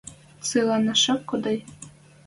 Цыланешок коды?